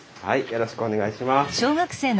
よろしくお願いします。